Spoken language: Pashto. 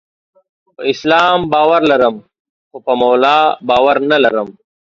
په اسلام باور لرم، خو په مولا باور نلرم.